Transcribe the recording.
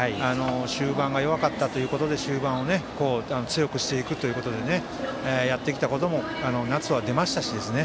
終盤が弱かったということで終盤を強くしていくとやってきたことも夏は出ましたし